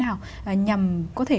nhằm có thể tạo ra những hành động cụ thể